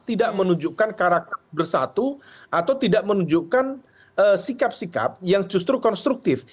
tidak menunjukkan karakter bersatu atau tidak menunjukkan sikap sikap yang justru konstruktif